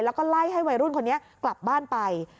แล้วก็ไล่ให้วัยรุ่นคนนี้กลับบ้านไป